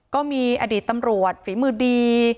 ก็มีอดีตตำรวจฝีมือดี